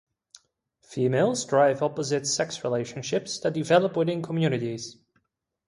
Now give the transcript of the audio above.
Females drive opposite sex relationships that develop within communities.